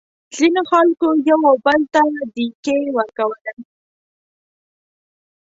ځینو خلکو یو او بل ته ډیکې ورکولې.